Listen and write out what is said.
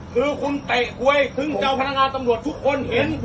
คือคุณเตะก๊วยซึ่งเจ้าพนักงานตำรวจทุกคนเห็น